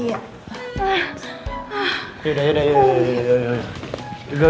yaudah yaudah yaudah